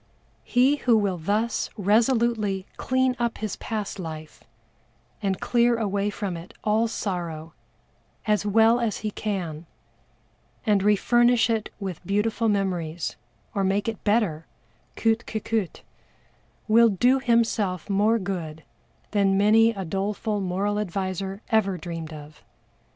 He who will thus resolutely clean up his past life and clear away from it all sorrow as well as he can, and refurnish it with beautiful memories, or make it better, coûte que coûte, will do himself more good than many a doleful moral adviser ever dreamed of.